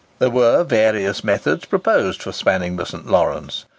There were various methods proposed for spanning the St. Lawrence.